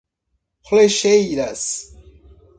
Flexeiras